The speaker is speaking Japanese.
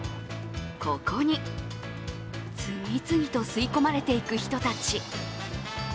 ここに次々と吸い込まれていく人たち。